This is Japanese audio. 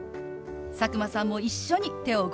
佐久間さんも一緒に手を動かしてみましょう。